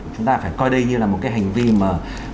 chúng ta phải coi đây như là một cái hành vi mà